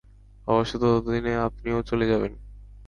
অবশ্য ততদিনে আপনিও চলে যাবেন।